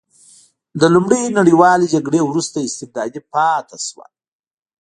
د لومړۍ نړیوالې جګړې وروسته استبدادي پاتې شوه.